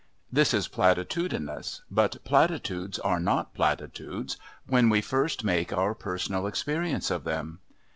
This is platitudinous, but platitudes are not platitudes when we first make our personal experience of them.